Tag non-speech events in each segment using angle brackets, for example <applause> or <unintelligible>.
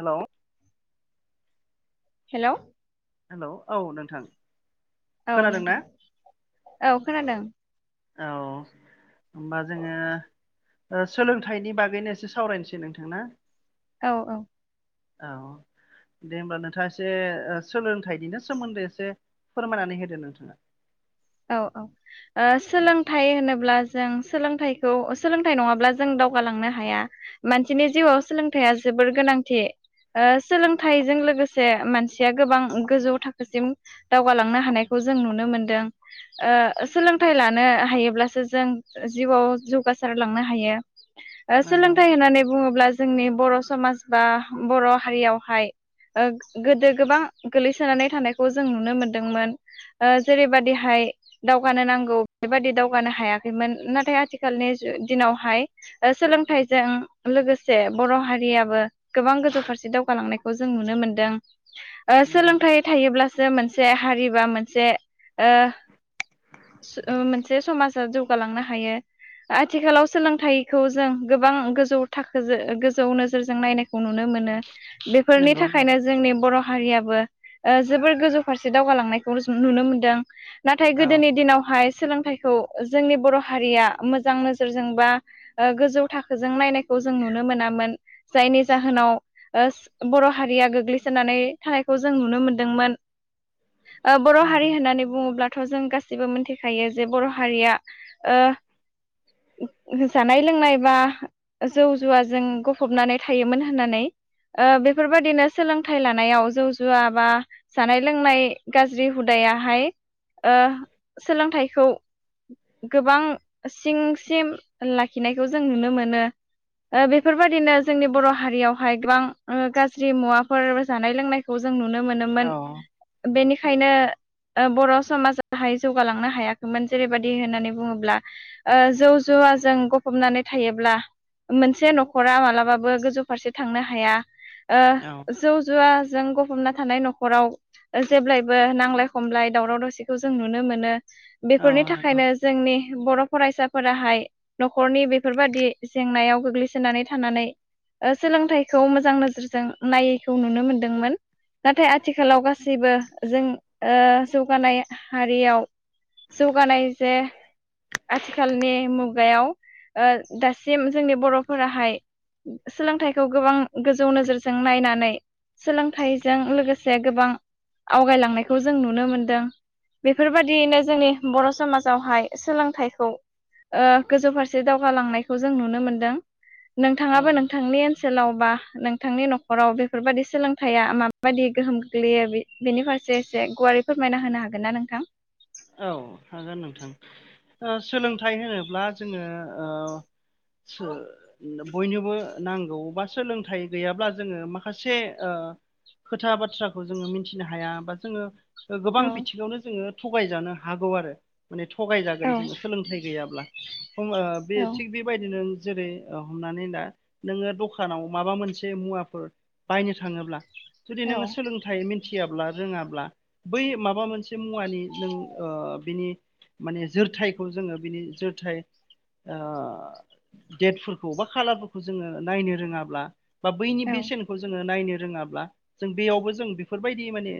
Hello hello hello औ नोंथां औ खोनादों ना नोंथां औ खोनादों औ होमबा जोङो ओ सोलोंथाइनि बागैनो एसे सावरायनोसै नोंथां ना औ औ औ दे होमब्ला नोंथाङा एसे ओ सोलोंथाइनिनो सोमोन्दै एसे फोरमायनानै होदो नोंथाङा औ औ सोलोंथाइ ओ होनोब्ला जों सोलोंथाइखौ सोलोंथाइ नङाब्ला जों दावगालांनो हाया मानसिनि जिउआव सोलोंथाइया जोब जोबोर गोनांथि ओ सोलोंथाइजों लोगोसे मानसिया गोबां गोजौ थाखोसिम दावगालांनो हानायखौ जों नुनो मोनदों ओ सोलोंथाइ लानो हायोब्लासो जों जिउआव जौगासारलांनो हायो ओ नंगौ सोलोंथाइ होननानै बुङोब्ला जोंनि बर' समाज बा बर' हारियावहाय ओ गोदो गोबां गोलैसोनानै थानायखौ जों नुनो मोनदोंमोन ओ जेरैबादि हाय दावगानो नांगौ बेबादि दावगानो हायाखैमोन नाथाय आथिखालनि दिनावहाय ओ‌ सोलोंथाइजों लोगोसे बर' हारियाबो गोबां गोजौ फारसे दावगालांनायखौ जों नुनो मोनदों ओ नंगौ सोलोंथाइ थायोब्ला सो मोनसे हारि बा मोनसे ओ ओ‌ मोनसे समाजा जौगालांनो हायो आथिखालाव सोलोंथाइखौ जों गोबां गोजौ थाखोजो गोजौ नोजोरजों नायनायखौ नुनो मोनो बेफोरनि नंगौ नों थाखायनो जोंनि बर' हारियाबो ओ जोबोर गोजौ फारसे दावगालांनायखौ जों नुनो मोनदों नाथाय औ गोदोनि दिनावहाय सोलोंथाइखौ जोंनि बर' हारिया मोजां नोजोरजों बा ओ गोजौ थाखोजों नायनायखौ जों नुनो मोनामोन जायनि जाहोनाव ओ बर' हारिया गोग्लैसोनानै थानायखौ जों नुनो मोनदोंमोन <inaudible> ओ बर' नंगौ हारि होननानै बुङोब्ला थ' जों गासैबो मोनथिखायो जे बर' हारिया ओ जानाय लोंनाय बा जौ जुवाजों गफबनानै थायोमोन होननानै ओ बेफोरबायदिनो सोलोंथाइ लानायाव जौ जुवा बा जानाय लोंनाय गाज्रि हुदाय याहाय ओ सोलोंथाइखौ गोबां सिं सिम लाखिनायखौ जों नुनो मोनो ओ बेफोरबायदिनो जोंनि बर' हारियावहाय गोबां ओ गाज्रि मुवाफोर जानाय लोंनायखौ जों नुनो मोनोमोन औ बेनिखायनो ओ बर' समाज जाहाय जौगालांनो हायाखैमोन जेरैबायदि होननानै बुङोब्ला ओ जौ जुवाजों ग हबनानै थायोब्ला मोनसे न'खरा मालाबाबो गोजौ फारसे थांनो हाया ओ औ जौ जुवाजों गफबना थानाय न'खराव जेब्लायबो नांलाय खमलाय दावराव दावसिखौ जों नुनो मोनो औ बेफोरनि नंगौ थाखायनो जोंनि बर' फरायसाफोराहाय न'खरनि बेफोरबादि जेंनायाव गोग्लैसोनानै थानानै ओ सोलोंथाइखौ मोजां नोजोरजों नायैखौ नुनो मोनदोंमोन नाथाय आथिखालाव गासैबो जों ओ जौगानाय हारियाव जौगानाय जे आथिखालनि मुगायाव ओ दासिम जोंनि बर'फोराहाय सोलोंथाइखौ गोबां गोजौ नोजोरजों नायनानै सोलोंथाइजों लोगोसे गोबां आवगायलांनायखौ जों नुनो मोनदों। बेफोरबायदियैनो जोंनि बर' समाजावहाय सोलोंथाइखौ ओ गोजौ फारसे दावगालांनायखौ जों नुनो मोनदों। औ नोंथाङाबो नोंथांनि ओनसोलाव बा नोंथांनि न'खराव बेफोरबायदि सोलोंथाइया माबाब्यदि गोहोम गोग्लैयो बे बेनिफार से एसे गुवारै फोरमायना होनो हागोन ना नोंथां? औ हागोन नोंथां ओ सोलोंथाइ होनोब्ला जोङो ओ सो नोम बयनोबो नांगौ बा सोलोंथाइ गैयाब्ला जोङो माखासे ओ खोथा बाथ्राखौ जोङो मिथिनो हाया बा जोङो औ गोबां बिथिङावनो जोङो थगायजानो हागौ आरो माने थगायजागोन जोङो सोलोंथाइ गैयाब्ला थ' बे औ थिग बेबायदिनो जेरै हमनानै ला नोङो दखानाव माबा मोनसे मुवाफोर बायनो थाङोब्ला जुदि औ नोङो सोलोंथाइ मिथियाब्ला रोङाब्ला बै माबा मोनसे मुवानि नों बिनि माने जोरथायखौ जोङो बिनि जोरथाइ डेटफोरखौ बा खालारफोरखौ जोङो नायनो रोङाब्ला बा बैनि औ बेसेनखौ जोङो नायनो रोङाब्ला जों बेयावबो जों बेफोरबायदि माने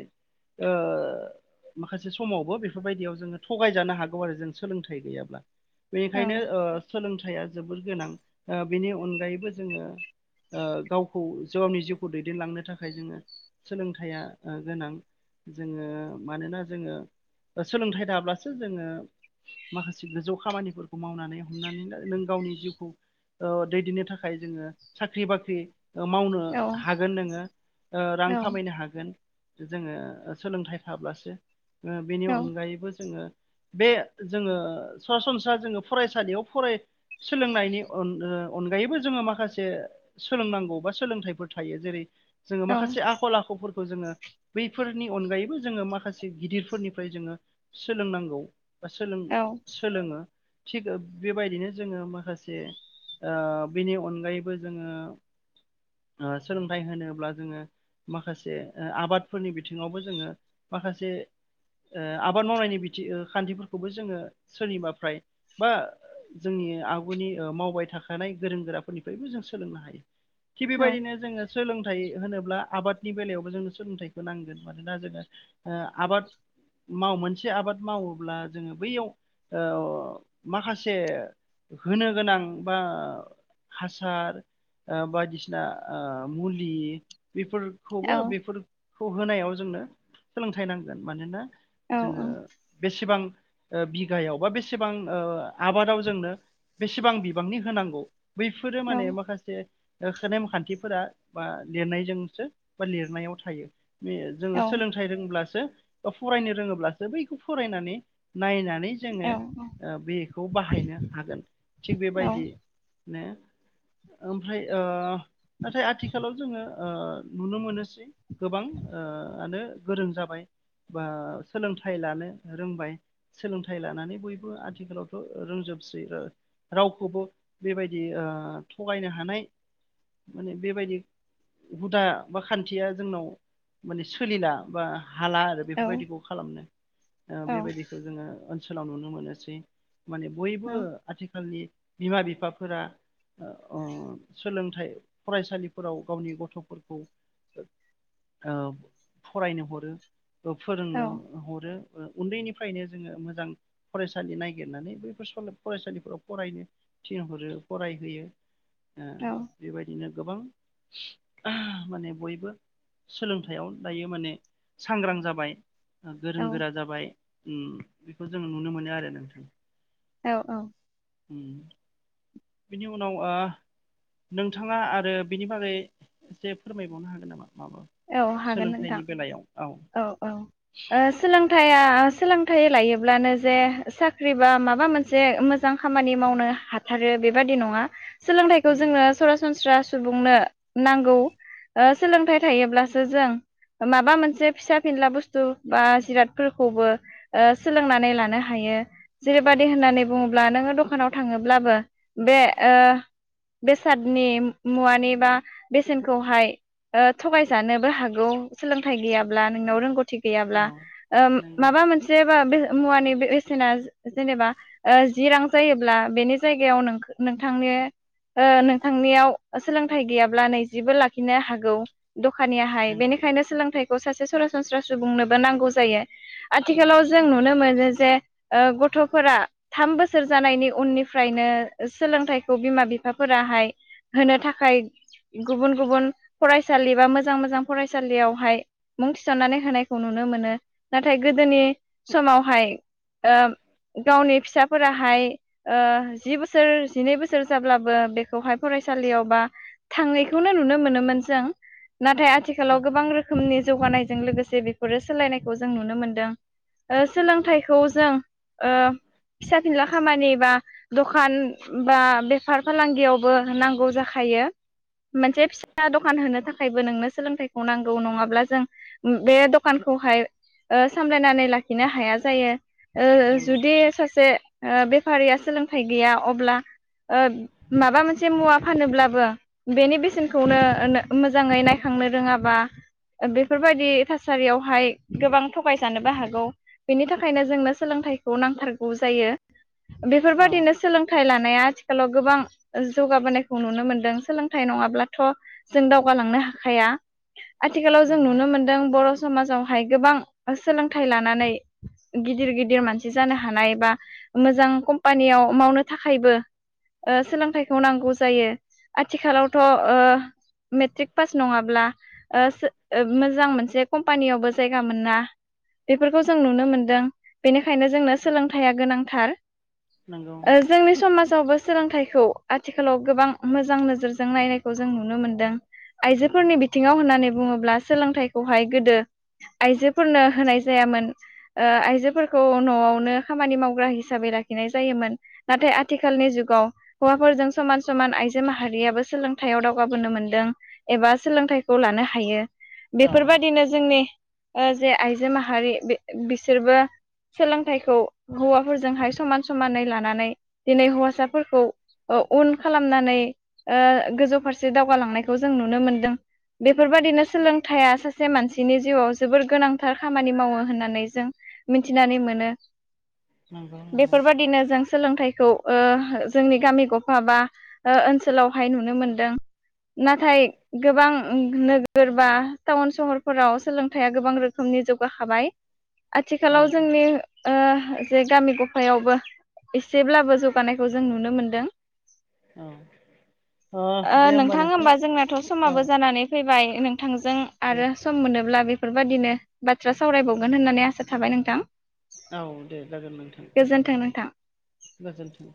माखासे समावबो बेफोरबायदियाव जोङो थगायजानो हागौ आरो जों सोलोंथाइ गैयाब्ला औ बेनिखायनो सोलोंथाइया जोबोर गोनां बिनि अनगायैबो जोङो गावखौ गावनि जिउखौ दैदेनलांनो थाखाय जोङो सोलोंथाइया गोनां जोङो मानोना जोङो सोलोंथाइ थाब्लासो जोङो माखासे गोजौ खामानिफोरखौ मावनानै हमनानै नों गावनि जिउखौ दैदेननो थाखाय जोङो साख्रि बाख्रि मावनो हागोन नोङो रां औ खामायनो हागोन जोङो सोलोंथाइ थाब्लासो बेनि औ अनगायैबो जोङो बे जोङो सरासनस्रा जोङो फरायसालियाव फराय सोलोंनायनि अनगायैबो जोङो माखासे सोलोंनांगौ बा सोलोंथाइफोर थायो जेरै जोङो माखासे आखल आखुफोरखौ जोङो बैफोरनि अनगायैबो जोङो माखासे गिदिर फोरनिफ्राय जोङो सोलोंनांगौ बा सोलोङो थिग बेबायदिनो जोङो माखासे आ बिनि अनगायैबो जोङो ओ सोलोंथाइ होनोब्ला जोङो माखासे ओ आबादफोरनि बिथिङावबो जोङो माखासे ओ आबाद मावनायनि बिथिं खान्थिफोरखौबो जोङो सोरनिबाफ्राय बा जोंनि आगुनि मावबाय थाखानाय गोरों गोराफोरनिफ्रायबो जों सोलोंनो हायो। थिग बेबायदिनो जोङो सोलोंथाइ होनोब्ला आबादनि बेलायावबो जोंनो सोलोंथाइखौ नांगोन मानोना जोङो आबाद माव मोनसे आबाद मावोब्ला जोङो बैयाव माखासे होनो गोनां बा हासार बायदिसिना मुलि औ बेफोरखौबो बेफोरखौ होनायाव जोंनो सोलोंथाइ नांगोन। मानोना जोङो बेसेबां बिघायाव बा बेसेबां आबादाव जोंनो बेसेबां बिबांनि होनांगौ बैफोरो माने माखासे नेम खान्थिफोरा बा लिरनायजोंसो बा लिरनायाव थायो। जोङो सोलोंथाइ रोंब्लासो बा फरायनो रोङोब्लासो बैखौ फरायनानै नायनानै जोङो बेखौ बाहायनो हागोन थिग बेबायदि ओमफ्राय नाथाय आथिखालाव जोङो नुनो मोनोसै गोबांआनो गोरों जाबाय। बा सोलोंथाइ लानो रोंबाय सोलोंथाइ लानानै बयबो आथिखालावथ' रोंजोबसै रावखौबो बेबायदि थगायनो हानाय माने बेबायदि हुदा बा खान्थिया जोंनाव माने सोलिला बा हाला आरो बेफोरबायदिखौ खालामनो औ बेबायदिखौ जोङो ओनसोलाव नुनो मोनोसै। माने बयबो आथिखालनि बिमा बिफाफोरा सोलोंथाइ फरायसालिफोराव गावनि गथ'फोरखौ फरायनो हरो फोरोंनो हरो उन्दैनिफ्रायनो जोङो मोजां फरायसालि नागिरनानै बैफोर फरायसालिफोराव फरायनो थिनहरो फरायहोयो बेबायदिनो गोबां माने बयबो सोलोंथाइयाव दायो माने सांग्रां जा बाय ओ गोरों औ गोरा जाबाय उम बेखौ जों नुनो मोनो आरो नोंथां। औ औ। उम बिनि उनाव ओ। नोंथाङा आरो बिनि बागै एसे फोरमायबावनो हागोन नामा? माबा औ हागोन नोंथां सोलोंथाइनि बेलायाव औ औ ओ सोलोंथ <inaudible> ओ सोलोंथाइ लायोब्लानो जे साख्रि बा माबा मोनसे मोजां खामानि मावनो हाथार रो बेबादि नङा। सोलोंथाइखौ उम जोंनो सरासनस्रा सुबुंनो नांगौ ओ सोलोंथाइ योब्लासो जों। माबा मोनसे फिसा फेनला बुस्थु बा जिरादफोरखौबो ओ सोलोंनानै लानो हाय यो जेरैबायदि होननानै बुङोब्ला नोङो दखानाव थाङोब्लाबो बे ओ बेसादनि मुवानि बा बेसेनखौहाय ओथ थगायजानोबो हागौ सोलोंथाइ गैयाब्ला नोंनाव रोंगौथ थि गैयाब्ला औ ओम नंगौ माबा मोनसे बा बे मुवानि बे बेसेना जेनेबा ओ जि रां जायोब्ला बेनि जायगायाव नोंखो नोंथांनो ओ नोंथांनियाव सोलोंथाइ गैयाब्ला नैजेबो लाखिनो हागौ। दखानियाहाय नंगौ बेनिखायनो सोलोंथाइ खौ सासे सरासनस्रा सुबुंनोबो नांगौ जायो आथिखालाव जों नुनो मोनो जे ओ गथ' थ'फोरा थाम बोसोर जानायनि उननिफ्रायनो सोलोंथाइखौ बिमा बिफाफोराहाय होनो थाखाय गुबुन गुबुन फरायस सालि बा मोजां मोजां फरायसालियावहाय मुं थिसननानै होनायखौ नुनो मोनो नाथाय गोदोनि। समावहाय। ओ गावनि फिसाफोराहाय ओ जि बोसोर जिनै बोस सोर जाब्लाबो बेखौहाय फरायसालियाव बा थांङैखौनो नुनो मोनोमोन जों। नाथाय आथिखालाव गोबां नंगौ रोखोमनि जौगानायजों लोगोसे बेफोरो सोलायनायखौ जों नुनो मोनदों। ओ सोलोंथाइखौ जों ओ। फिसा फिनला खामानि बा दखान बा बेफार फालांगियावबो नांगौ जाखाय यो मोनसे फिसा दखान होनो था खायबो नोंनो सोलोंथाइखौ नांगौ नङाब्ला जों बे दखानखौहाय। ओ सामलायनानै लाखिनो हाया जायो ओ नंगौ जुदि सासे। ओ बेफारिया सोलोंथाइ गैया अब्ला। ओब माबा मोनसे मुवा फानोब्लाबो बेनि बेसेनखौनो <unintelligible> जाङै नायखांनो रोङाबा। ओब बेफोरबायदि थासारियावहाय गोबां थगायजानोबो हागौ बेनि थाखायनो जोंनो सोलों थाइखौ नांथारगौ जायो औ बेफोरबायदिनो सोलोंथाइ लानाया थिखालाव गोबां जौगाबोनायखौ नुनो मोनदों सोलोंथाइ नङाब्लाथ' जों दाव गालांनो हाखाया आथिखालाव जों नंगौ नुनो मोनदों बर' समाजाव फाय गोबां सोलोंथाइ लानानै। गिदिर गिदिर मानसि जानो हानाय बा मोजां कम्पानियाव मावनो थाखायबो। ओ सोलोंथाइखौ नांगौ जायो आथिखालावथ' ओ। मेट्रिक पास नंङाब्ला ओ सो ओब मोजां मोनसे कम्पानियावबो जायगा मोनना। बेफोरखौ जों नुनो मोनदों बेनिखायनो जोंनो औ सोलोंथाइया गोनांथार। नंगौ ओ जोंनि समाजावबो सोलोंथाइखौ आथिखालाव गोबां मोजां नोजोरजों नायनायखौ जों नुनो मोनदों। आइजोफोरनि बिथिङाव होननानै बुङोब्ला सोलोंथाइखौहाय गोदो। आइजोफोरनो होनाय जायामोन ओ आइजोफोरखौ न'आवनो खामानि मावग्रा हिसाबै लाखिनाय जायोमोन नाथाय आथिखालनि जुगाव हौवाफोरजों समान समान आइजो माहारियाबो सोलों थायाव दावगाबोनो मोनदों एबा सोलोंथाइखौ लानो हायो। औ बेफोरबादिनो जोंनि ओ जे आइजो माहारि बे। बिसोरबो सोलोंथाइखौ हौवाफोरजोंहाय समान समानै लानानै दिनै हौवासाफोरखौ ओ उन खालामनानै ओ गोजौ फारसे दावगालांनाय खौ जों नुनो मोनदों बेफोरबायदिनो सोलोंथाइया सासे सासे मानसिनि जिउआव जोबोर गोनांथार खामानि मावो होननानै जों मिथिनानै मोनो। नंगौ नंगौ बेफोरबायदिनो जों सोलोंथाइ खौ ओ जोंनि गामि गफा बा ओनसोलावहाय नुनो मोनदों। नाथाय गोबां नोगोर बा टाउन सहरफोराव सोलोंथाइया गोबां रोखोमनि जौगाखाबाय औ आथिखालाव जोंनि ओ जे गामि गफायावबो एसेब्लाबो जौगानायखौ जों नुनो मोनदों। अ दे होमबा नों एखमबा जोंनाथ' समाबो जानानै फैबाय नोंथांजों दे आरो सम मोनोब्ला बे फोरबायदिनो बाथ्रा सावरायबावगोन होननानै आसा थाबाय नोंथां। औ दे जागोन नोंथां। गोजोन्थों नोंथां। गोजोन्थों